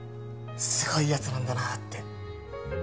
すごい奴なんだなって。